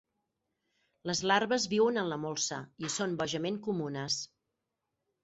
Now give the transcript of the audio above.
Les larves viuen en la molsa i són bojament comunes.